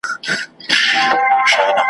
د غم او پاتا پر کمبله کښېناوه ,